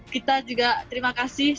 kita juga terima kasih